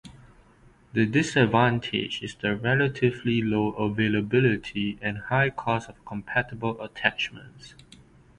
The disadvantage is the relatively low availability and high cost of compatible attachments.